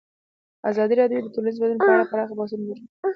ازادي راډیو د ټولنیز بدلون په اړه پراخ بحثونه جوړ کړي.